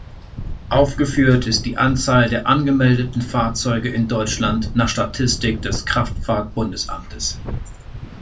Aufgeführt ist die Anzahl der angemeldeten Fahrzeuge in Deutschland nach Statistik des Kraftfahrt-Bundesamtes.